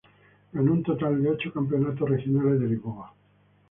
Ganó un total de ocho Campeonatos Regionales de Lisboa.